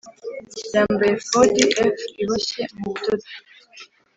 Yambaye efodi f iboshye mu budodo